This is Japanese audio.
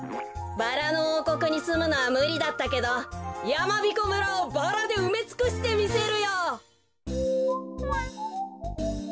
バラのおうこくにすむのはむりだったけどやまびこ村をバラでうめつくしてみせるよ。